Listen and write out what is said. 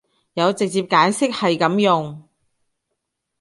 有直接解釋係噉用